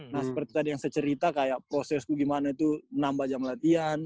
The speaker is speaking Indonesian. nah seperti tadi yang saya cerita kayak prosesku gimana itu nambah jam latihan